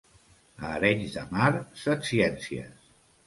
A Arenys de Mar, setciències.